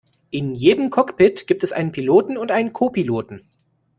In jedem Cockpit gibt es einen Piloten und einen Co-Piloten